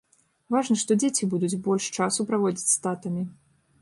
Важна, што дзеці будуць больш часу праводзіць з татамі.